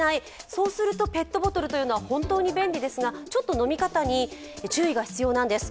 そうするとペットボトルというのは本当に便利ですがちょっと飲み方に注意が必要なんです。